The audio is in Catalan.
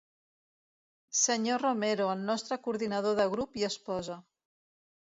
Senyor Romero, el nostre coordinador de grup i esposa.